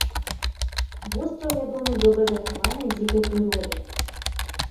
Востраў вядомы добра захаванай дзікай прыродай.